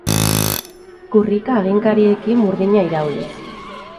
Kurrika haginkariekin burdina irauliz.